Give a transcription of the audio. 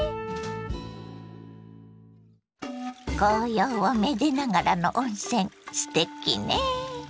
紅葉をめでながらの温泉すてきね。